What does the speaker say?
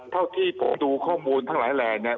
เท่าที่ผมดูข้อมูลทั้งหลายแหล่งเนี่ย